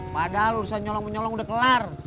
padahal urusan nyolong menyolong udah kelar